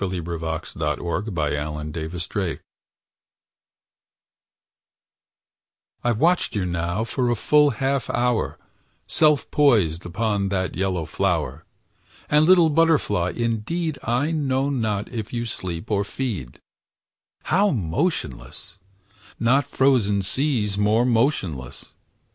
Ralph Waldo Emerson [1803 1882] TO A BUTTERFLY I've watched you now a full half hour, Self poised upon that yellow flower; And, little Butterfly! indeed I know not if you sleep or feed. How motionless! not frozen seas More motionless!